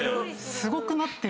すごくなってる。